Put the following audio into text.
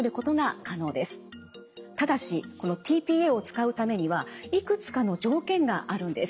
ただしこのｔ−ＰＡを使うためにはいくつかの条件があるんです。